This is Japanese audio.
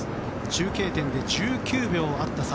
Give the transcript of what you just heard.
中継点で１９秒あった差